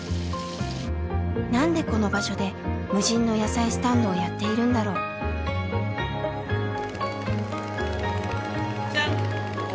何でこの場所で無人の野菜スタンドをやっているんだろう？じゃん！